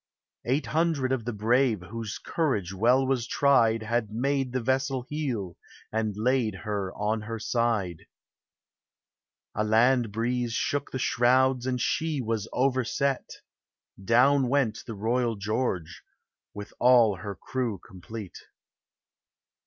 Eight hundred of the brave, Whose courage well was tried, Had made the vessel heel, And laid her on her side. A land breeze shook the shrouds, And she was overset; Down went the Royal George, With all her crew complete.